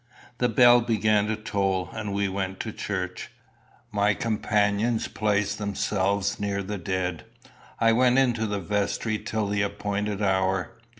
The bell began to toll, and we went to church. My companions placed themselves near the dead. I went into the vestry till the appointed hour.